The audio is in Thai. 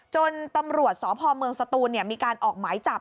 ตำรวจสพเมืองสตูนมีการออกหมายจับ